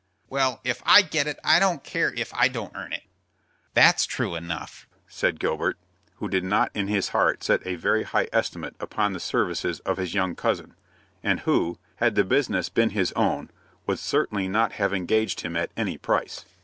"Well, if I get it, I don't care if I don't earn it." "That's true enough," said Gilbert, who did not in his heart set a very high estimate upon the services of his young cousin, and who, had the business been his own, would certainly not have engaged him at any price.